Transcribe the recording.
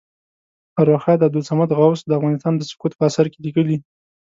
ارواښاد عبدالصمد غوث د افغانستان د سقوط په اثر کې لیکلي.